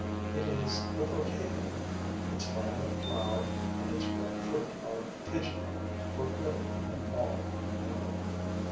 It is the potato. Its violet flower and its red fruit are pigeonholed for good and all in my memory.